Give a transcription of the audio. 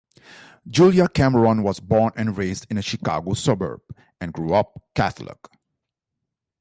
Julia Cameron was born and raised in a Chicago suburb, and grew up Catholic.